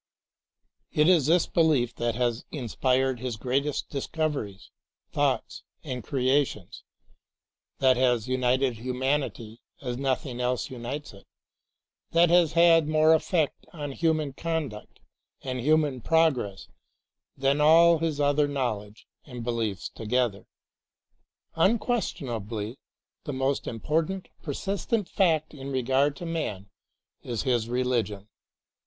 It is this belief that has inspired his greatest dis coveries, thoughts and creations; that has THE THREE MOTIVES OF FAITH united humanity as nothing else unites it; that has had more effect on human conduct and human progress than all his other knowl edge and beliefs together. Unquestionably, the most important, persistent fact in regard to man is his religion.